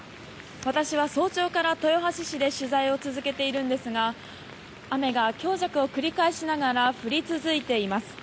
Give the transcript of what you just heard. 私は早朝から豊橋市で取材を続けているんですが雨が強弱を繰り返しながら降り続いています。